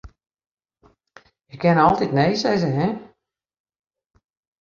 Je kinne altyd nee sizze, hin.